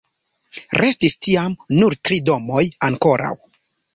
Restis tiam nur tri domoj ankoraŭ.